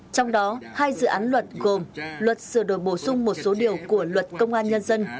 trong đó hai dự án luật gồm luật sửa đổi bổ sung một số điều của luật công an nhân dân